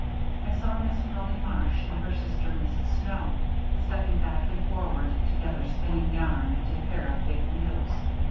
I saw Miss Polly Marsh and her sister, Mrs. Snow, stepping back and forward together spinning yarn at a pair of big wheels.